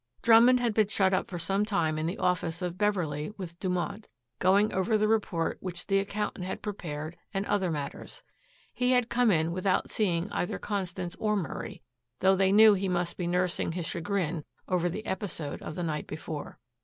Drummond had been shut up for some time in the office of Beverley with Dumont, going over the report which the accountant had prepared and other matters He had come in without seeing either Constance or Murray, though they knew he must be nursing his chagrin over the episode of the night before.